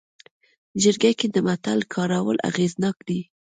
جرګه کې د متل کارول اغېزناک دي